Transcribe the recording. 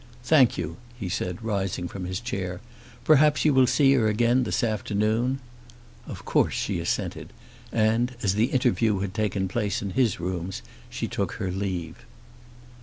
"Thank you," he said, rising from his chair. "Perhaps you will see her again this afternoon." Of course she assented, and, as the interview had taken place in his rooms, she took her leave.